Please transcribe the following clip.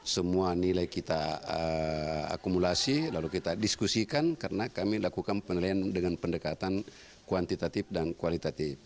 semua nilai kita akumulasi lalu kita diskusikan karena kami lakukan penilaian dengan pendekatan kuantitatif dan kualitatif